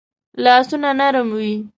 لاسونه نرم وي